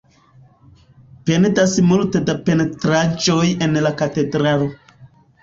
Pendas multe da pentraĵoj en la katedralo.